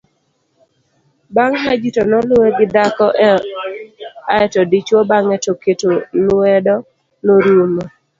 bang' Haji to noluwe gi dhako aeto dichuwo bang'e to keto luedo norumo